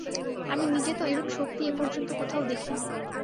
আমি নিজে তো এরূপ শক্তি এ-পর্যন্ত কোথাও দেখিনি।